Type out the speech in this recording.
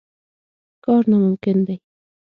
کار ناممکن دی.